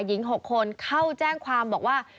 หญิง๖คนเข้าแจ้งความบอกว่า